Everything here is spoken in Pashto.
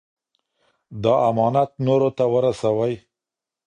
دا امانت نورو ته ورسوئ.